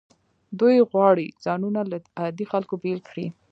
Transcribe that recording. دوی غواړي ځانونه له عادي خلکو بیل کړي.